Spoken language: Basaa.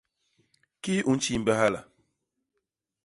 Kii u ntjiimbe hala?